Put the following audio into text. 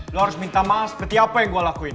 lo harus minta maaf seperti apa yang gue lakuin